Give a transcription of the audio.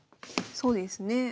そうですね。